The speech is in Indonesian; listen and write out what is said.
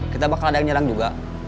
kita bakal ada yang nyerang juga